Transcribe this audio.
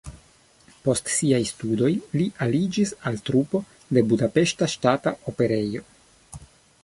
Post siaj studoj li aliĝis al trupo de Budapeŝta Ŝtata Operejo.